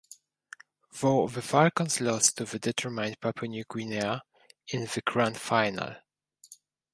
Though the Falcons lost to a determined Papua New Guinea in the Grand Final.